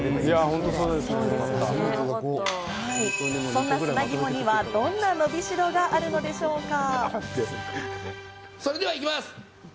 そんな砂肝にはどんな、のびしろがあるのでしょうか？